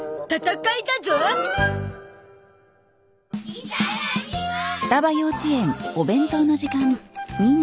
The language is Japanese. いただきます！